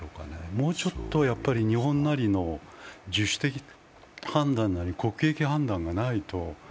もうちょっと日本なりの自主的判断なり国益判断がないと。